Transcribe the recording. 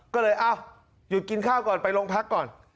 ก็เลยอ้าวหยุดกินข้าวก่อนไปโรงพักก่อน